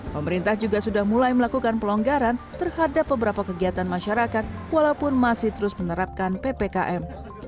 pemerintah juga sudah mulai melakukan pelonggaran terhadap beberapa kegiatan masyarakat walaupun masih terus menerapkan ppkm